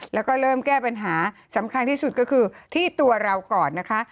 แล้วก็เริ่มแก้ปัญหาสำคัญที่สุดก็คือที่ตัวเราก่อนนะคะ